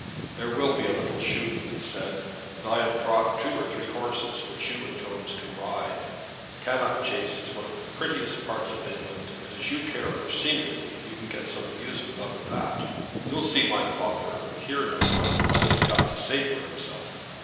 "There will be a little shooting," he said, "and I have bought two or three horses, which you and Jones can ride. Cannock Chase is one of the prettiest parts of England, and as you care for scenery you can get some amusement out of that. You'll see my father, and hear, no doubt, what he has got to say for himself.